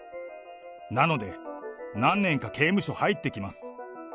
なので何年か刑務所入ってきます。